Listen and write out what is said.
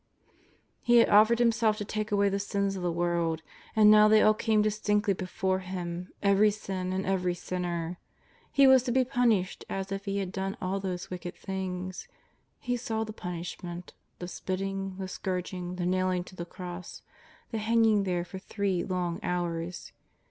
He had offered Himself to take awaj the sins of the world, and now they all came distinctly before Him, every sin and every sinner. And He was to be pun ished as if He had done all those wicked things. He saw the punishment — the spitting, the scourging, the nailing to the cross, the hanging there for three long hours.